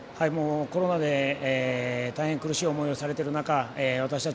コロナで大変苦しい思いをされてる中私たち